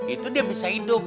itu dia bisa hidup